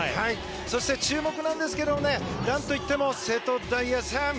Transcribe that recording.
そして注目は何といっても瀬戸大也さん。